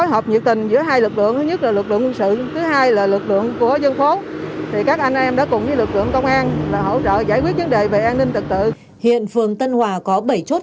hiện phường tân hòa có bảy chốt